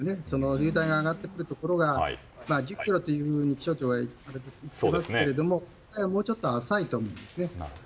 流体が上がってくるところが１０ｋｍと気象庁は言ってますけれどももうちょっと浅いと思うんですね。